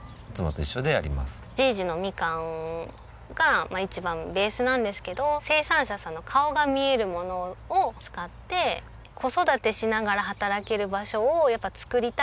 じぃじのみかんが一番ベースなんですけど生産者さんの顔が見えるものを使って子育てしながら働ける場所を作りたいな。